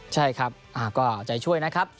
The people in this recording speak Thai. ใช่ครับก็ใจช่วยนะครับ